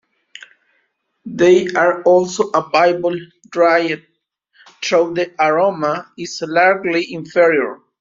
They are also available dried, though the aroma is largely inferior.